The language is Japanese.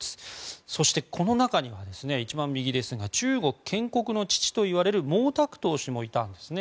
そして、この中には一番右ですが中国建国の父といわれる毛沢東氏もいたんですね。